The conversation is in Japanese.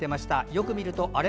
よく見るとあれ？